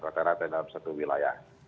rata rata dalam satu wilayah